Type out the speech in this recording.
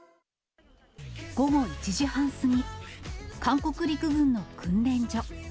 午後１時半過ぎ、韓国陸軍の訓練所。